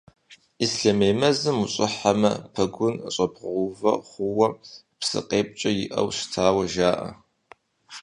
Ислъэмей мэзым ущӀыхьэмэ, пэгун щӀэбгъэувэ хъууэ псыкъепкӀэ иӀэу щытауэ жаӀэ.